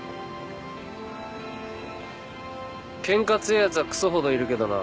ケンカ強えやつはクソほどいるけどな。